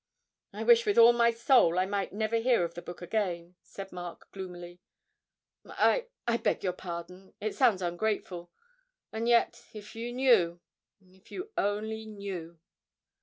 'I wish with all my soul I might never hear of the book again,' said Mark gloomily. 'I I beg your pardon! It sounds ungrateful. And yet if you knew if you only knew!'